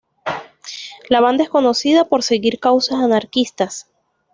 La banda es conocida por seguir causas anarquistas.